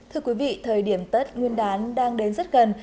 thưa quý vị thời điểm tết nguyên đán đang đến rất gần